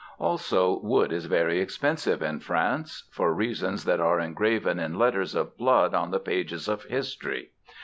Also, wood is very expensive in France for reasons that are engraven in letters of blood on the pages of history.